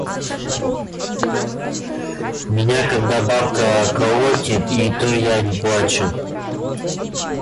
– Меня когда бабка колотит, и то я не плачу!